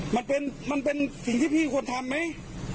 มันเป็นสิ่งที่พี่ควรทำไหม